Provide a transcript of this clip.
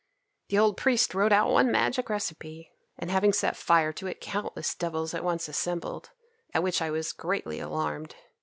The old priest wrote out one magic recipe, and having set fire to it countless devils at once assembled, at which I was greatly alarmed.